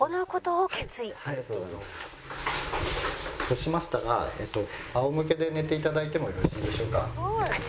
そうしましたら仰向けで寝て頂いてもよろしいでしょうか。